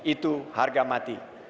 itu harga mati